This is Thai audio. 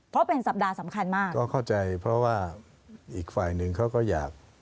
เพราะเป็นสัปดาห์สำคัญมากก็เข้าใจเพราะว่าอีกฝ่ายหนึ่งเขาก็อยาก